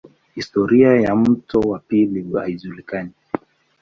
Historia ya mto wa pili haijulikani.